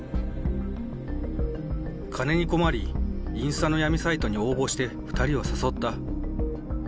金に困り、インスタの闇サイトに応募して、２人を誘った。